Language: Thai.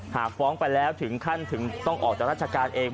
หากฟ้องไปแล้วถึงขั้นถึงต้องออกจากราชการเอง